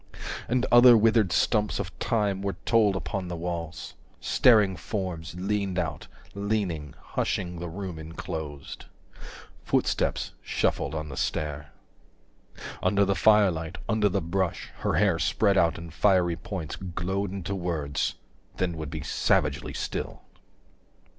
And other withered stumps of time Were told upon the walls; staring forms 105 Leaned out, leaning, hushing the room enclosed. Footsteps shuffled on the stair, Under the firelight, under the brush, her hair Spread out in fiery points Glowed into words, then would be savagely still.